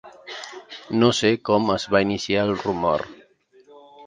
No sé com es va iniciar el rumor.